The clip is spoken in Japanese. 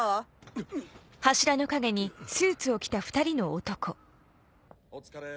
・うっ・・うっ・お疲れ。